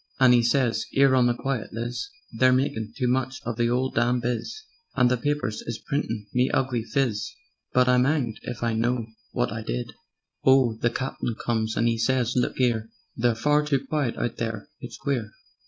And 'e whispers: "'Ere, on the quiet, Liz, They're makin' too much of the 'ole damn biz, And the papers is printin' me ugly phiz, But ... I'm 'anged if I know wot I did. "Oh, the Captain comes and 'e says: 'Look 'ere! They're far too quiet out there: it's queer.